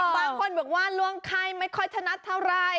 บางคนบอกว่าล่วงไข้ไม่ค่อยถนัดเท่าไร